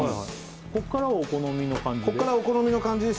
こっからはお好みの感じで？